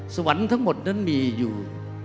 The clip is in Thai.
สวรรค์ทั้งหมดนั้นมีอยู่